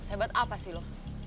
sehebat apa sih lu